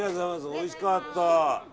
おいしかった。